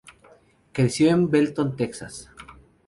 Creció en Belton, Texas.